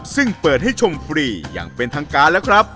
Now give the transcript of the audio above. ซึ่งเปิดให้ชมฟรีอย่างเป็นทางการแล้วครับ